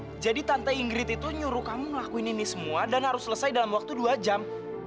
iya jadi tante ingrid itu nyuruh kamu ngelakuin ini semua dan harus selesai dalam waktu dua jam